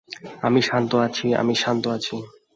আমি শান্ত আছি, আমি শান্ত আছি।